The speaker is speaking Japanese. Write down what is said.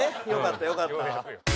よかったよかった。